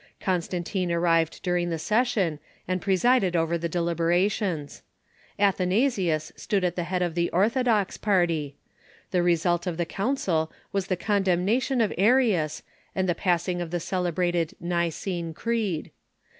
Constantine ar rived during the session, and presided over the deliberations. Athanasius stood at the head of the orthodox party. The re sult of the council was the condemnation of Arius and the passing of the celebrated Nicene Creed.